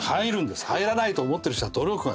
入らないと思ってる人は努力が足りない。